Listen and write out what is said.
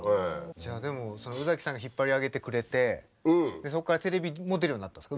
じゃあでもその宇崎さんが引っ張り上げてくれてそこからテレビも出るようになったんですか？